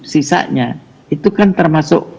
sisanya itu kan termasuk